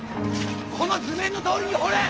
この図面のとおりに掘れ！